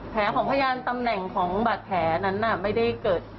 แผลของพยานตำแหน่งของบาดแผลนั้นไม่ได้เกิด